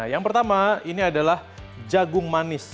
yang pertama ini adalah jagung manis